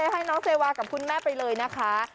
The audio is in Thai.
ให้น้องเซวากับคุณแม่ไปเลยนะคะ